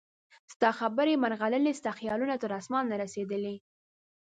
ستا خبرې مرغلرې ستا خیالونه تر اسمانه رسیدلي